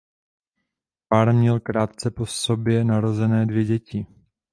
Pár měl krátce po sobě narozené dvě děti.